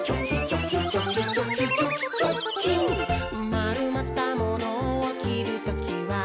「まるまったモノをきるときは、」